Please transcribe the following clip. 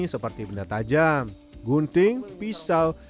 seperti benda tajam gunting pisau